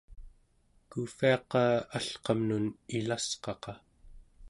kuuvviaqa alqamnun ilasqaqa